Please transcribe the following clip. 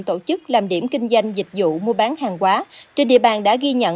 tổ chức làm điểm kinh doanh dịch vụ mua bán hàng quá trên địa bàn đã ghi nhận